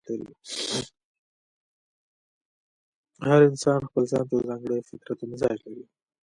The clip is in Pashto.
هر انسان ځپل ځان ته یو ځانګړی فطرت او مزاج لري.